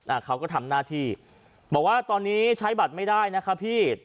เขาก็ทำหน้าที่บอกว่าตอนนี้ใช้บัตรไม่ได้นะคะพี่